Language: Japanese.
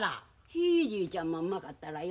ひいじいちゃんもうまかったらよ。